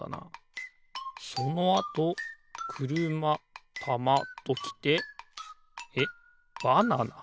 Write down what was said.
そのあとくるまたまときてえっバナナ？